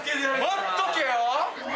待っとけよ！